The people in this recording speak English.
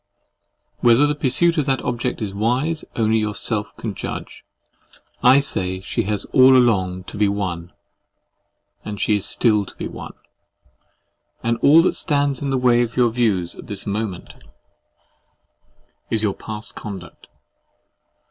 Whether the pursuit of that object is wise, only yourself can judge. I say she has all along been to be won, and she still is to be won; and all that stands in the way of your views at this moment is your past conduct.